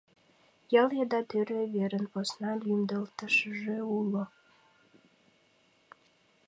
Ял еда тӱрлӧ верын посна лӱмдылтышыжӧ уло.